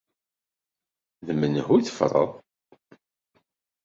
D menhu tfeḍreḍ?